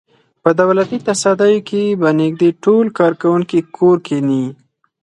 په دولتي تصدیو کې به نږدې ټول کارکوونکي کور کېني.